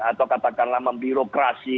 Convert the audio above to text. atau katakanlah membirokrasi